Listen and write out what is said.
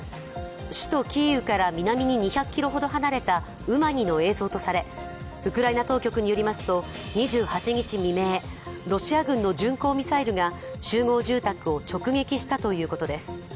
首都キーウから南に２００ｋｍほど離れたウマニの映像とされ、ウクライナ当局によりますと２８日未明、ロシア軍の巡航ミサイルが集合住宅を直撃したということです。